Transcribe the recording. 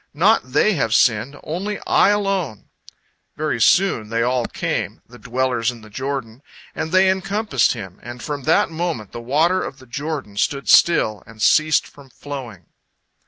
Not they have sinned, only I alone!" Very soon they all came, the dwellers in the Jordan, and they encompassed him, and from that moment the water of the Jordan stood still and ceased from flowing.